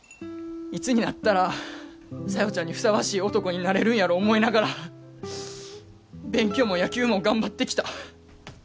いつになったら小夜ちゃんにふさわしい男になれるんやろ思いながら勉強も野球も頑張ってきた。